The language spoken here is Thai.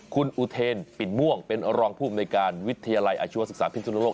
คุณอุเทนปิ่นม่วงเป็นรองภูมิในการวิทยาลัยอาชีวศึกษาพิสุนโลก